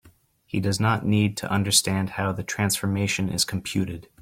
He does not need to understand how the transformation is computed.